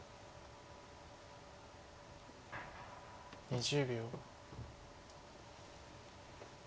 ２０秒。